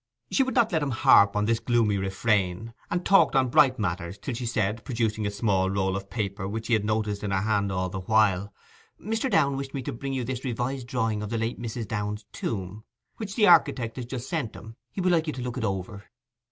She would not let him harp on this gloomy refrain, and talked on bright matters till she said, producing a small roll of paper which he had noticed in her hand all the while, 'Mr. Downe wished me to bring you this revised drawing of the late Mrs. Downe's tomb, which the architect has just sent him. He would like you to look it over.